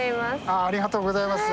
ありがとうございます。